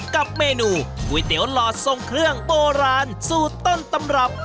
กับเมนูก๋วยเตี๋ยวหลอดทรงเครื่องโบราณสูตรต้นตำรับ